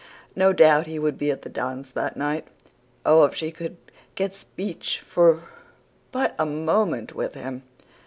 No doubt he would be at the dance that night. Oh, if she could get speech for but a moment with him!